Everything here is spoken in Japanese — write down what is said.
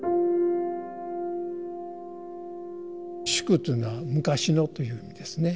「宿」というのは昔のという意味ですね。